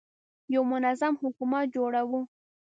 یو منظم حکومت جوړوو.